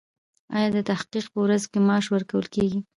ایا د تحقیق په ورځو کې معاش ورکول کیږي؟